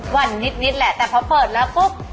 วันนิดแหละแต่พอเปิดแล้วปุ๊บ